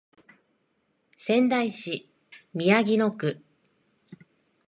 仙台市宮城野区